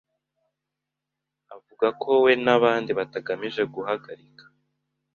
avuga ko we n'abandi batagamije guhagarika